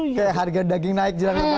kayak harga daging naik jangkaan